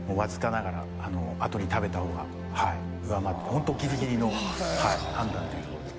ホントギリギリの判断っていうところで。